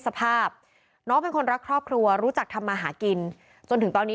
สภาพน้องเป็นคนรักครอบครัวรู้จักทำมาหากินจนถึงตอนนี้